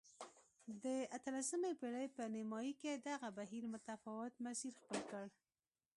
د اتلسمې پېړۍ په نیمايي کې دغه بهیر متفاوت مسیر خپل کړ.